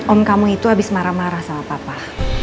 om kamu itu habis marah marah sama papa